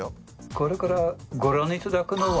これからご覧いただくのは。